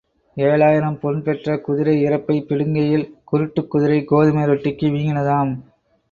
ஏழாயிரம் பொன் பெற்ற குதிரை இறப்பைப் பிடுங்கையில், குருட்டுக் குதிரை கோதுமை ரொட்டிக்கு வீங்கினதாம்.